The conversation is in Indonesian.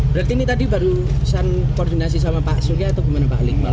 berarti ini tadi barusan koordinasi sama pak surya atau gimana pak ali